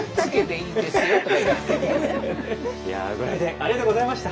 いやご来店ありがとうございました。